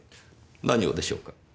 何をでしょうか？